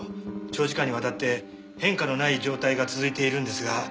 長時間にわたって変化のない状態が続いているんですが。